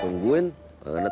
jangan terlalu banyak